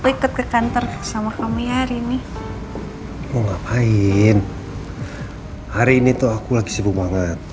aku ikut ke kantor sama kamu ya rini mau ngapain hari ini tuh aku lagi sibuk banget